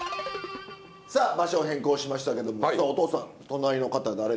さあ場所を変更しましたけどもさあお父さん隣の方誰ですか？